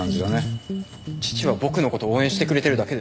父は僕の事を応援してくれているだけです。